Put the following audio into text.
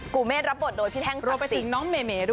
กูเมธรับบทโดยพี่แท่งศักดิ์สินรวมไปถึงน้องเมเมด้วย